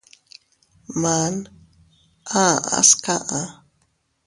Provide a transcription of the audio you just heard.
Man a aʼas kaʼa.